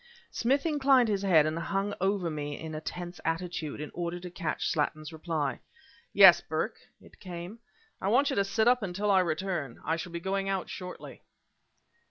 Smith inclined his head and hung over me in a tense attitude, in order to catch Slattin's reply. "Yes, Burke," it came "I want you to sit up until I return; I shall be going out shortly."